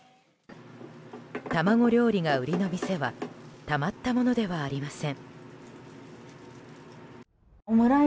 卵料理が売りの店はたまったものではありません。